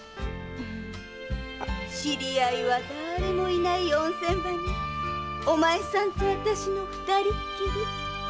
知り合いはだれもいない温泉場におまえさんとあたしの二人っきり。